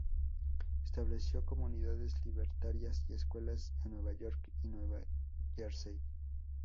Estableció comunidades libertarias y escuelas en Nueva York y Nueva Jersey.